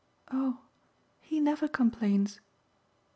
"Oh he never complains."